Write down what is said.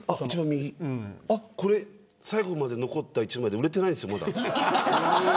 これ、最後まで残った１枚で売れてないんです、まだ。